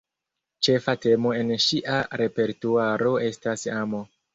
Ĉefa temo en ŝia repertuaro estas amo.